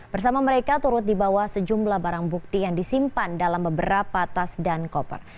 bersama mereka turut dibawa sejumlah barang bukti yang disimpan dalam beberapa tas dan koper